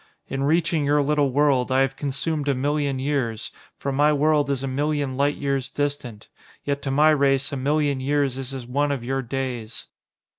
In reaching your little world, I have consumed a million years, for my world is a million light years distant: yet to my race a million years is as one of your days.